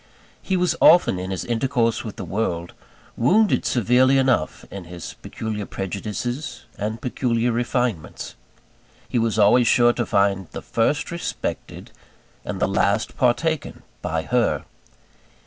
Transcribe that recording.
He was often, in his intercourse with the world, wounded severely enough in his peculiar prejudices and peculiar refinements he was always sure to find the first respected, and the last partaken by _her.